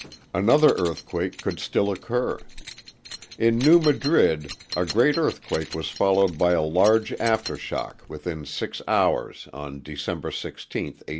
Another earthquake could still occur. In New Madrid, a great earthquake was followed by a large aftershock within 6 hours on December 16, 1811.